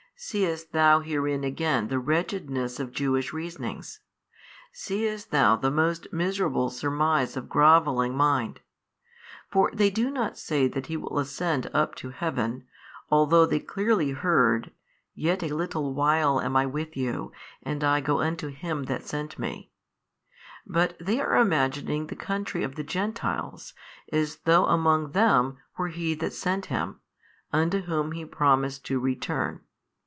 Seest thou herein again the wretchedness of Jewish reasonings? seest thou the most miserable surmise of grovelling mind? for they do not say that He will ascend up to Heaven, although they clearly heard, Yet a little while am I with you, and I go unto Him that sent Me, but they are imagining the country of the Gentiles, as though among them were He That sent Him, unto Whom He promised |542 to return.